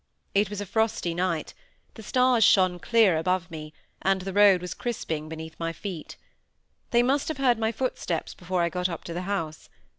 It was a frosty night, the stars shone clear above me, and the road was crisping beneath my feet. They must have heard my footsteps before I got up to the house.